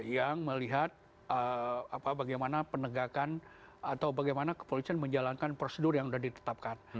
yang melihat bagaimana penegakan atau bagaimana kepolisian menjalankan prosedur yang sudah ditetapkan